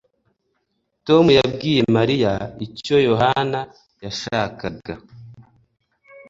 Tom yabwiye Mariya icyo Yohana yashakaga